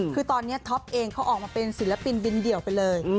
คือตอนนี้ท็อปเองเขาออกมาเป็นศิลปินบินเดี่ยวไปเลย